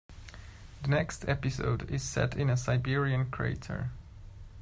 The next episode is set in a Siberian crater.